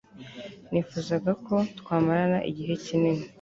nifuzaga ko twamarana igihe kinini